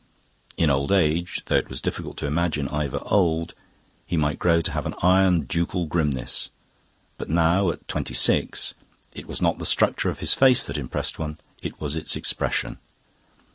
In old age though it was difficult to imagine Ivor old he might grow to have an Iron Ducal grimness. But now, at twenty six, it was not the structure of his face that impressed one; it was its expression.